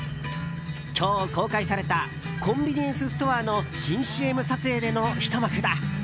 今日公開されたコンビニエンスストアの新ＣＭ撮影でのひと幕だ。